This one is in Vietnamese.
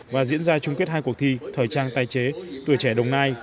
và diễn ra chung kết hai cuộc thi thời trang tài chế tuổi trẻ đồng nai